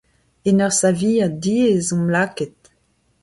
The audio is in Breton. En ur saviad diaes omp lakaet.